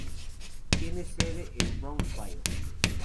Tiene su sede en Brownsville.